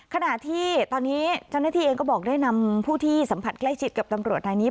ขณะที่ตอนนี้เจ้าหน้าที่เองก็บอกได้นำผู้ที่สัมผัสใกล้ชิดกับตำรวจนายนี้